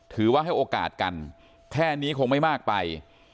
ให้โอกาสกันแค่นี้คงไม่มากไป